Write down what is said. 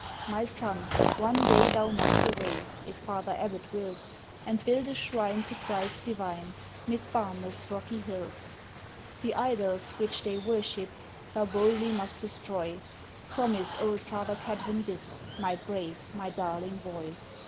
My son, one day thou must away, If Father Abbot wills, And build a Shrine to Christ Divine, 'Mid Barmouth's rocky hills. The idols which they worship Thou boldly must destroy, Promise old Father Cadfan this, My brave, my darling boy!"